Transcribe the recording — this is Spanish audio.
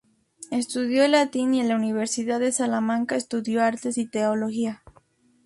Estudió el Latín y en la Universidad de Salamanca estudió Artes y Teología.